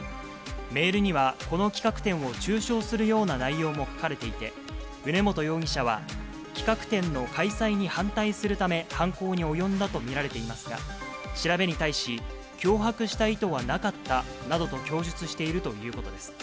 メールには、この企画展を中傷するような内容も書かれていて、宇根元容疑者は、企画展の開催に反対するため、犯行に及んだと見られていますが、調べに対し、脅迫した意図はなかったなどと供述しているということです。